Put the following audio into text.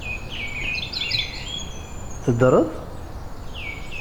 Teddreḍ?